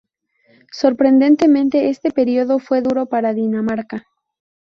Sorprendentemente este período fue duro para Dinamarca.